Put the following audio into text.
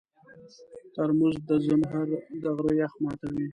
ترموز د زمهر د غره یخ ماتوي.